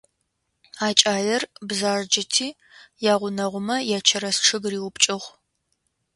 А кӏалэр бзаджэти ягъунэгъумэ ячэрэз чъыг риупкӏыгъ.